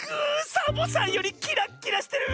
サボさんよりキラッキラしてる！